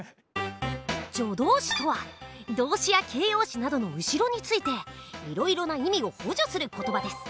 助動詞とは動詞や形容詞などの後ろについていろいろな意味を補助する言葉です。